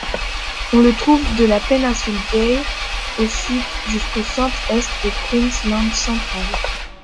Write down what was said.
On le trouve de la péninsule d'Eyre au sud jusqu'au centre-est du Queensland central.